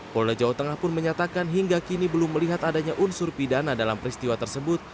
polda jawa tengah pun menyatakan hingga kini belum melihat adanya unsur pidana dalam peristiwa tersebut